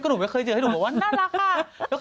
หนูไม่เคยเจอให้หนูบอกว่าน่ารักค่ะ